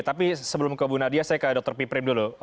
tapi sebelum ke bu nadia saya ke dr piprim dulu